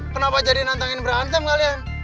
kenapa jadi nantangin berantem kalian